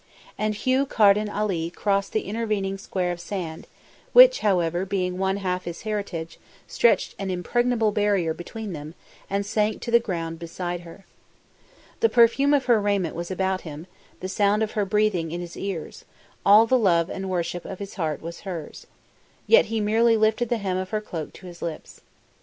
And Hugh Carden Ali crossed the intervening square of sand, which, however, being one half his heritage, stretched an impregnable barrier between them, and sank to the ground beside her. The perfume of her raiment was about him, the sound of her breathing in his ears; all the love and worship of his heart was hers. Yet he merely lifted the hem of her cloak to his lips.